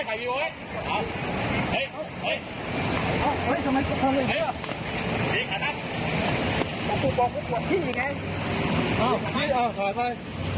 ปวดงี่กินไง